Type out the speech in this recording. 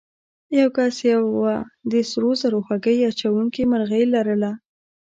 یو کس یوه د سرو زرو هګۍ اچوونکې مرغۍ لرله.